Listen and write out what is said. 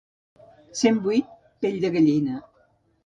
Cent vuit pell de gallina.